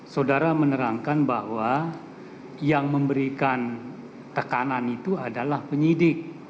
saudara menerangkan bahwa yang memberikan tekanan itu adalah penyidik